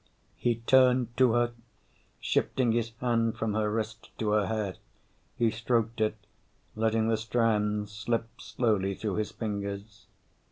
He turned to her, shifting his hand from her wrist to her hair. He stroked it, letting the strands slip slowly through his fingers.